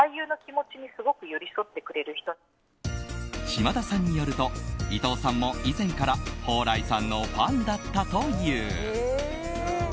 島田さんによると伊藤さんは以前から蓬莱さんのファンだったという。